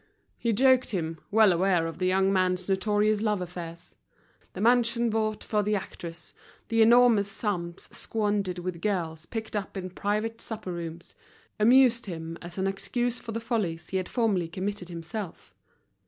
He joked him, well aware of the young man's notorious love affairs: the mansion bought for the actress, the enormous sums squandered with girls picked up in private supper rooms, amused him as an excuse for the follies he had formerly committed himself.